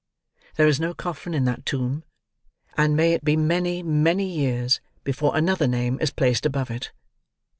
There is no coffin in that tomb; and may it be many, many years, before another name is placed above it!